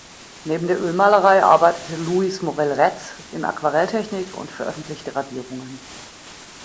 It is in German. Neben der Ölmalerei arbeitete Louis Morel-Retz in Aquarelltechnik und veröffentlichte Radierungen.